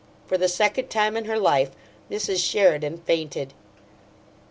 For the second time in her life Mrs. Sheridan fainted.